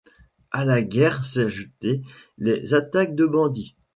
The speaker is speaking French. À la guerre s'ajoutaient les attaques de bandits.